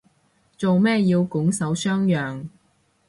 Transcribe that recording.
做咩要拱手相讓